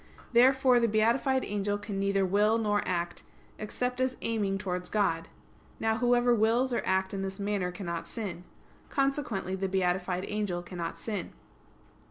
Therefore the beatified angel can neither will nor act, except as aiming towards God. Now whoever wills or acts in this manner cannot sin. Consequently the beatified angel cannot sin.